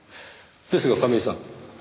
ですが亀井さん